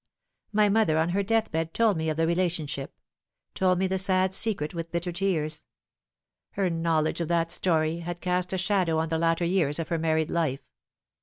My mother on her death bed told me of the relationship ; told me the sad secret with bitter tears. Her knowledge of that story had cast a shadow on the latter years of her married life.